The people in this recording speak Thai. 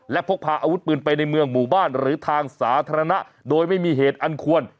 และพกพาอาวุธปืนไปในเมืองหมู่บ้านหรือทางสาธารณะโดยไม่มีเหตุอันควร